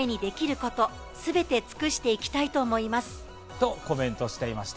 と、コメントしていました。